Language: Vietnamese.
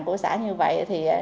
của xã như vậy